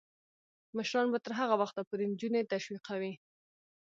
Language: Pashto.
مشران به تر هغه وخته پورې نجونې تشویقوي.